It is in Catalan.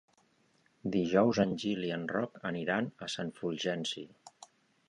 Dijous en Gil i en Roc aniran a Sant Fulgenci.